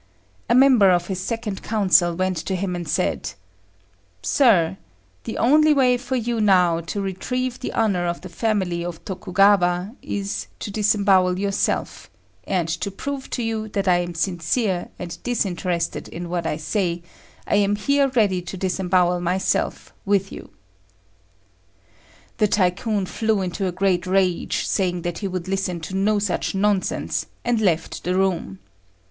A member of his second council went to him and said, "Sir, the only way for you now to retrieve the honour of the family of Tokugawa is to disembowel yourself; and to prove to you that I am sincere and disinterested in what I say, I am here ready to disembowel myself with you." The Tycoon flew into a great rage, saying that he would listen to no such nonsense, and left the room.